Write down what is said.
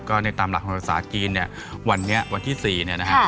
ก็ในตามหลักธรรมภาษาจีนเนี่ยวันนี้วันที่๔เนี่ยนะฮะ